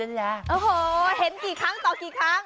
โอ้โหเห็นกี่ครั้งต่อกี่ครั้ง